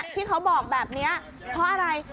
ที่เขาบอกแบบนี้เพราะอะไร